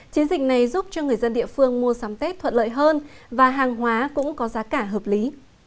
chiến dịch này giúp cho người dân địa phương mua sắm tết thuận lợi hơn và hàng hóa cũng có giá cả hợp lý